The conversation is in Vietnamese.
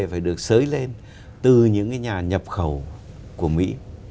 phải được xới lên từ những cái nhà nhập khẩu của mỹ